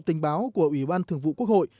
tình báo của ủy ban thường vụ quốc hội